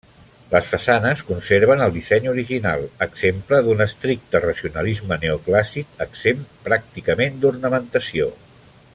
Les façanes conserven el disseny original, exemple d'un estricte racionalisme neoclàssic exempt pràcticament d'ornamentació.